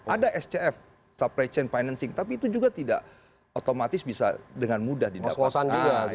ada scf supply chain financing tapi itu juga tidak otomatis bisa dengan mudah didapatkan